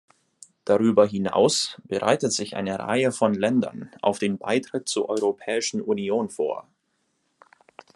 Darüberhinaus bereitet sich eine Reihe von Ländern auf den Beitritt zur Europäischen Union vor.